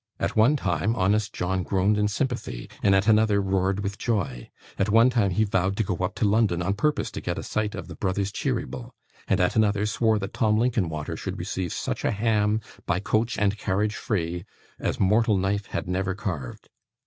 At one time, honest John groaned in sympathy, and at another roared with joy; at one time he vowed to go up to London on purpose to get a sight of the brothers Cheeryble; and, at another, swore that Tim Linkinwater should receive such a ham by coach, and carriage free, as mortal knife had never carved.